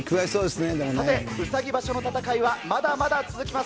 さて、うさぎ場所の戦いはまだまだ続きます。